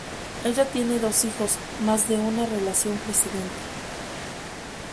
Ella tiene dos hijos más de una relación precedente.